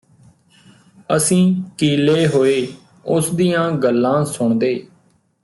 ਅਸੀਂ ਕੀਲੇ ਹੋਏ ਉਸਦੀਆਂ ਗੱਲਾਂ ਸੁਣਦੇ